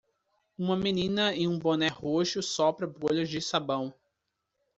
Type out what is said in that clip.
Uma menina em um boné roxo sopra bolhas de sabão.